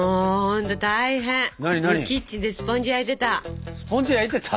キッチンでスポンジ焼いてた。